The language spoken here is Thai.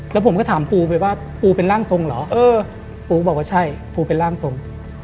แล้วผมก็ถามปูไปว่าปูเป็นร่างทรงเหรอเออปูบอกว่าใช่ปูเป็นร่างทรง